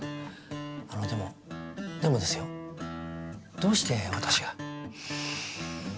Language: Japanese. あのでもでもですよどうして私が？